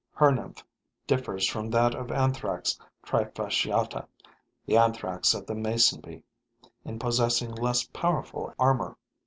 Her nymph differs from that of Anthrax trifasciata, the Anthrax of the mason bee, in possessing less powerful armor.